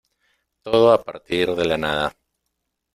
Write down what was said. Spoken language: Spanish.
todo a partir de la nada.